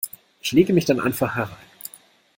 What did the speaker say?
Ich lege mich dann einfach herein.